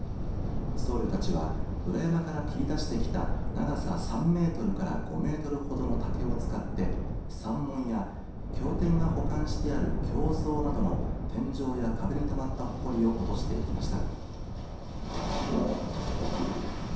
僧侶たちは裏山から切り出してきた長さ３メートルから５メートルほどの竹を使って山門や経典が保管してある経蔵などの天井や壁にたまったほこりを落としていきました。